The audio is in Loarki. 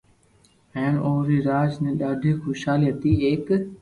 ھين اوري راج ۾ ڌاڌي خوݾالي ھتي ايڪ